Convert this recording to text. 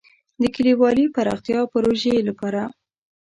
د کلیوالي پراختیا پروژې لپاره.